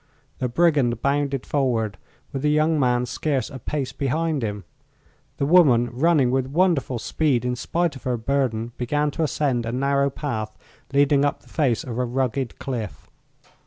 The brigand bounded forward, with the young man scarce a pace behind him. The woman, running with wonderful speed in spite of her burden, began to ascend a narrow path leading up the face of a rugged cliff.